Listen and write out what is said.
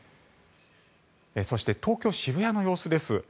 そして、東京・渋谷の様子です。